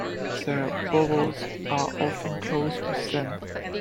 Their burrows are often closed with sand.